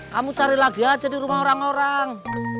kamu cari lagi aja di rumah orang orang